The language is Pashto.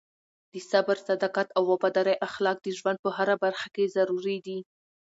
د صبر، صداقت او وفادارۍ اخلاق د ژوند په هره برخه کې ضروري دي.